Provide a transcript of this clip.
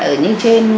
ở như trên